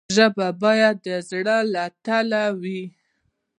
ژبه باید د زړه له تله وي.